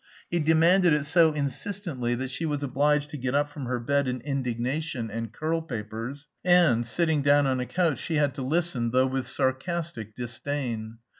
He demanded it so insistently that she was obliged to get up from her bed in indignation and curl papers, and, sitting down on a couch, she had to listen, though with sarcastic disdain.